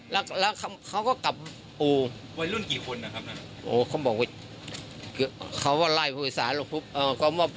แล้วแล้วเขาก็กลับปูวันรุ่นกี่คนอ่ะครับโอ้เขาบอกว่าเขาว่าไล่ภูมิศาลลงเอ่อ